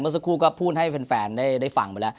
สักครู่ก็พูดให้แฟนได้ฟังไปแล้ว